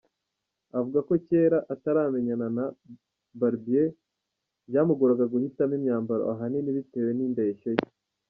Avuga ko kera, ataramenyana na Barbier, byamugoraga guhitamo imyambaro ahanini bitewe n’indeshyo ye.